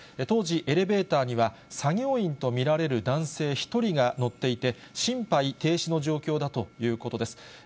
当時、エレベーターには、作業員と見られる男性１人が乗っていて、心肺停止の状況だということです。